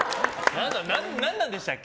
何なんでしたっけ？